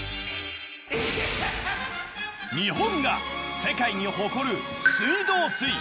日本が世界に誇る水道水。